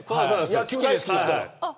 野球大好きですから。